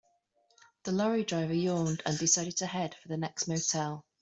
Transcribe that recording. The lorry driver yawned and decided to head for the next motel.